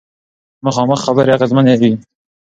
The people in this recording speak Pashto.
مخامخ خبرې اغیزمنې وي.